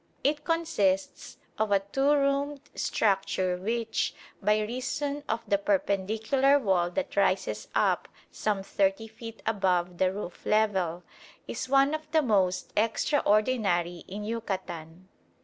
It consists of a two roomed structure which, by reason of the perpendicular wall that rises up some 30 feet above the roof level, is one of the most extraordinary in Yucatan.